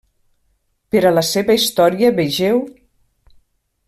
Per a la seva història vegeu: